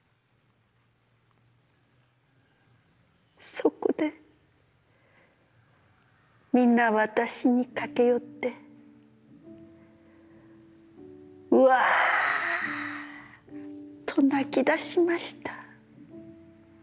そこで、みな私に駆け寄って、わーっと泣き出しました。